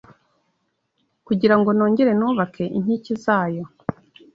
kugira ngo nongere nubake inkike zayo